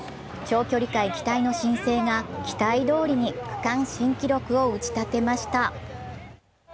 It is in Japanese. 長距離界期待の新星が期待どおりに区間新記録を打ち立てました。